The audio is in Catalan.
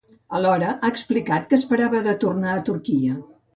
Alhora, ha explicat que esperava de tornar a Turquia.